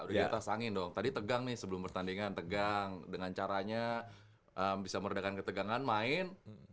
udah di atas angin dong tadi tegang nih sebelum pertandingan tegang dengan caranya bisa meredakan ketegangan main